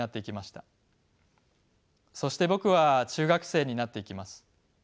そして僕は中学生になっていきます。